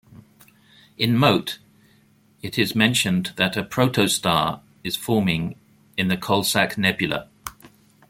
In "Mote", it is mentioned that a protostar is forming in the Coalsack Nebula.